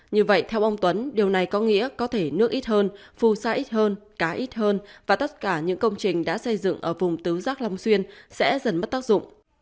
như vậy theo ông tuấn điều này có nghĩa có thể nước ít hơn phù sa ít hơn cá ít hơn và tất cả những công trình đã xây dựng ở vùng tứ giác long xuyên sẽ dần mất tác dụng